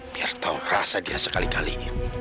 biar tahu rasa dia sekali kali